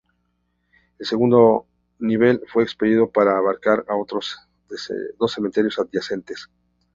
El segundo nivel fue expandido para abarcar los otros dos cementerios adyacentes.